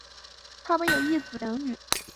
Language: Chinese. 他们有一子两女。